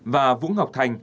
và vũ ngọc thành